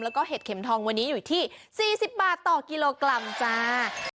แล้วก็เห็ดเข็มทองวันนี้อยู่ที่๔๐บาทต่อกิโลกรัมจ้า